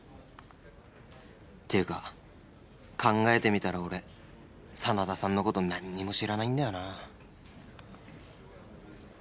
っていうか考えてみたら俺真田さんの事なんにも知らないんだよな